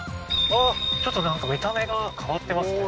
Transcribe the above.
あっ、ちょっとなんか見た目が変わってますね。